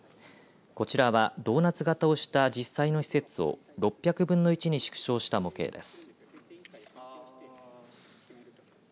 こちらはドーナツ型をした実際の施設を６００分の１に縮小した模型です。